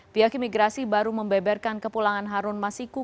pihak imigrasi baru membeberkan kepulangan harun masiku